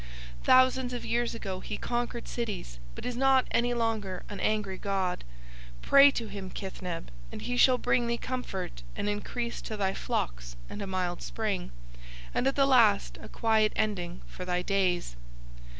Thousands of years ago he conquered cities but is not any longer an angry god. Pray to him, Kithneb, and he shall bring thee comfort and increase to thy flocks and a mild spring, and at the last a quiet ending for thy days.